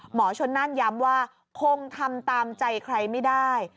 หมอชนนั่นย้ำว่าคงทำตามใจใครไม่ได้